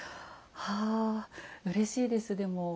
ああうれしいですでも。